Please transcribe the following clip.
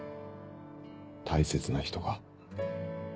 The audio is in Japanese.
大切な人が。